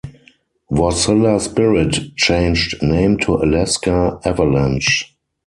Wasilla Spirit changed name to Alaska Avalanche.